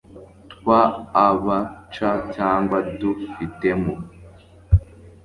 twa a b c cyangwa d ufitemo